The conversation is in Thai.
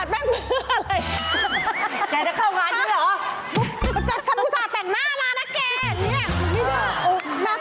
เพื่อสาสแป้ง